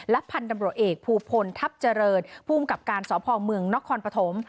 พันธุ์ตำรวจเอกภูพลทัพเจริญภูมิกับการสพเมืองนครปฐม